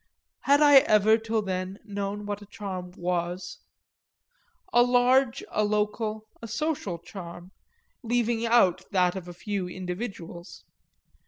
Had I ever till then known what a charm was? a large, a local, a social charm, leaving out that of a few individuals.